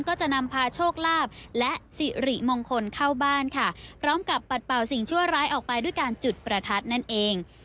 ก็จะนำพาโชคลาภและสิริมงคลเข้าบ้านค่ะพร้อมกับปัดเป่าสิ่งชั่วร้ายออกไปด้วยการจุดประทัดนั่นเอง